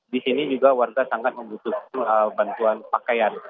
di sini juga warga sangat membutuhkan bantuan pakaian